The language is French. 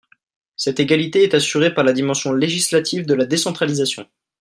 Cette égalité est assurée par la dimension législative de la décentralisation.